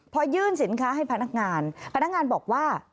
พอยื่นสินค้าให้พนักงานพนักงานบอกว่า